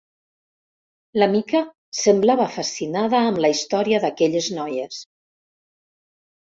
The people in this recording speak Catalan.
La Mica semblava fascinada amb la història d'aquelles noies.